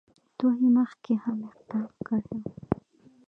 دوی مخکې هم اقدام کړی وو.